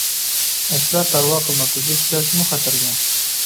ئەسلا پەرۋا قىلماپتۇ، دۇچ كەلسىمۇ خەتەرگە.